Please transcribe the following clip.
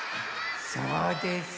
そうです。